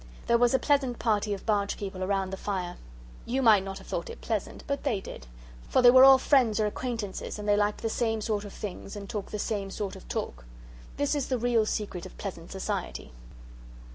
There was a pleasant party of barge people round the fire. You might not have thought it pleasant, but they did; for they were all friends or acquaintances, and they liked the same sort of things, and talked the same sort of talk. This is the real secret of pleasant society.